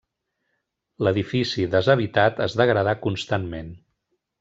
L'edifici, deshabitat, es degradà constantment.